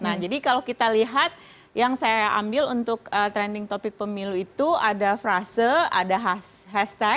nah jadi kalau kita lihat yang saya ambil untuk trending topic pemilu itu ada frase ada hashtag